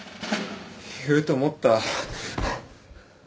言うと思った。